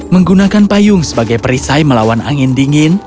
menggunakan payung sebagai perisai melawan angin dingin